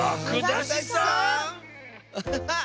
アハハッ！